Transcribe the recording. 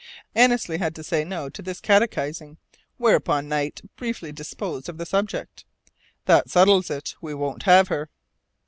Annesley had to say "no" to this catechizing, whereupon Knight briefly disposed of the subject. "That settles it. We won't have her."